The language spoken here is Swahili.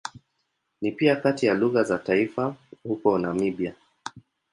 Ni pia kati ya lugha za taifa huko Namibia.